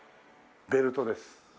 ベルトです。